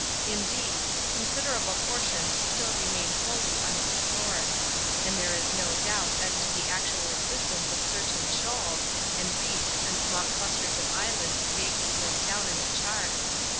In deed, considerable portions still remain wholly unexplored ; and there is no doubt as to the actual existence of certain shoals, and reefs, and small clusters of islands vaguely laid down in the charts.